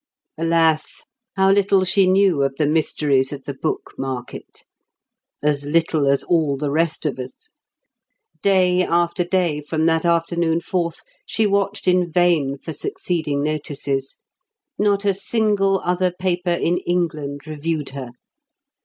Alas, how little she knew of the mysteries of the book market! As little as all the rest of us. Day after day, from that afternoon forth, she watched in vain for succeeding notices. Not a single other paper in England reviewed her.